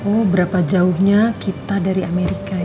oh berapa jauhnya kita dari amerika ya